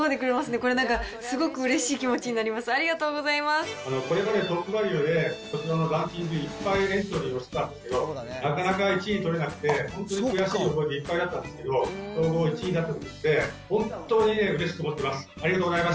これまでトップバリュで、こちらのランキング、いっぱいエントリーしたんですけど、なかなか１位取れなくて、すごく悔しい思いでいっぱいだったんですけど、総合１位で本当にね、うれしく思ってます。